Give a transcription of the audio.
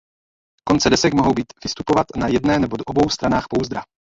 Konce desek mohou být vystupovat na jedné nebo obou stranách pouzdra.